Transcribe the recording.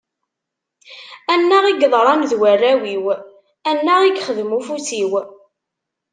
Annaɣ i yeḍran d warraw-iw, annaɣ i yexdem ufus-iw.